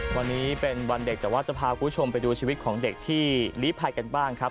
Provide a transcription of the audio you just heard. วันนี้เป็นวันเด็กแต่ว่าจะพาคุณผู้ชมไปดูชีวิตของเด็กที่ลีภัยกันบ้างครับ